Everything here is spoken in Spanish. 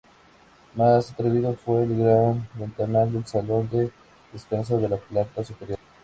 Más atrevido fue el gran ventanal del salón de descanso de la planta superior.